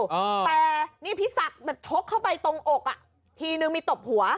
อ่าแต่นี่พี่ศักดิ์แบบชกเข้าไปตรงอกอ่ะทีนึงมีตบหัว